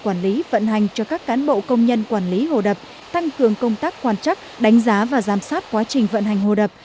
quản lý vận hành hồ đập tăng cường công tác quan trắc đánh giá và giám sát quá trình vận hành hồ đập